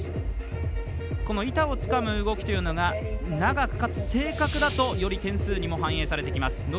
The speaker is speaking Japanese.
この板をつかむ動きというのが長くかつ正確だとより点数にも反映されてきます。